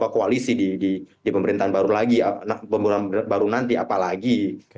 koalisi di pemerintahan baru nanti apalagi